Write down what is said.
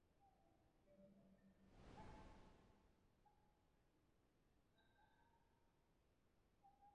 Mnyama mwenye kichaa akimngata mnyama asiye na kichaa humuathiri